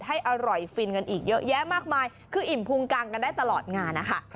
ให้อร่อยฟินกันอีกเยอะแยะมากมายคืออิ่มพุงกังกันได้ตลอดงานนะคะ